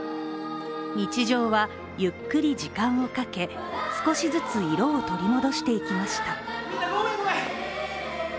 日常はゆっくり時間をかけ、少しずつ色を取り戻していきました。